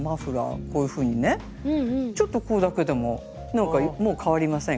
こういうふうにねちょっとこれだけでもなんか変わりませんか？